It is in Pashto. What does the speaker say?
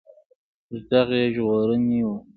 ږغ يې ژړغونى و.